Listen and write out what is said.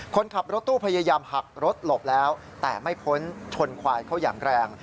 คนขับรถตู้พยายามหักรถหลบแล้วแต่ไม่พ้นชนควายเข้าอย่างแรง